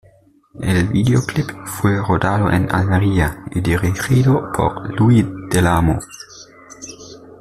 El videoclip fue rodado en Almería, y dirigido por Luis del Amo.